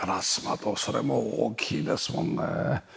それも大きいですもんね。